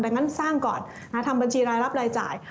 ดังนั้นสร้างก่อนทำบัญชีรายรับรายจ่าย